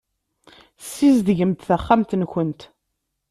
Ssizdgemt taxxamt-nkent.